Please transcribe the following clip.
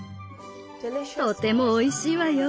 とてもおいしいわよ。